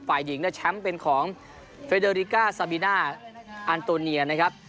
ฝ่ายหญิงเนี่ยแชมป์เป็นของเฟเดอริกาซาบีน่าอันโตเนียนะครับ